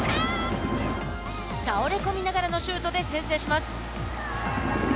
倒れ込みながらのシュートで先制します。